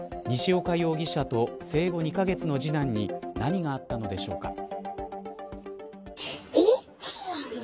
西岡容疑者と生後２カ月の次男に何があったのでしょうか。